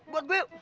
buat gue yuk